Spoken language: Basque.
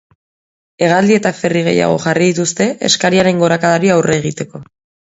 Hegaldi eta ferry gehiago jarri dituzte, eskariaren gorakadari aurre egiteko.